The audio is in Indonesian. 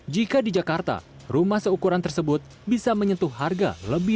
jika di jakarta rumah seukuran tersebut bisa menyentuh harga lebih